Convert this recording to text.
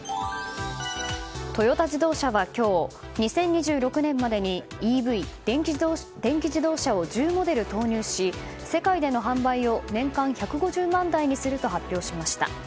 トヨタ自動車は今日２０２６年までにＥＶ・電気自動車を１０モデル投入し世界での販売を年間１５０万台にすると発表しました。